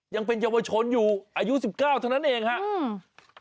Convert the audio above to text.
ยังเป็นเยาวชนอยู่อายุสิบเก้าเท่านั้นเองครับ